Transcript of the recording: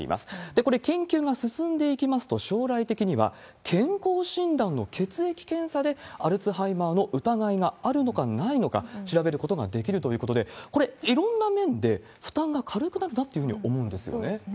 これ、研究が進んでいきますと、将来的には健康診断の血液検査でアルツハイマーの疑いがあるのかないのか調べることができるということで、これ、いろんな面で負担が軽くなるなって思うんですよね。